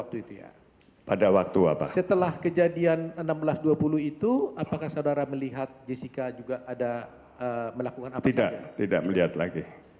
tidak tidak melihat lagi